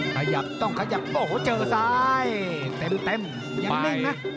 ขยับต้องขยับโอ้โหเจอซ้ายเต็มยังนิ่งนะ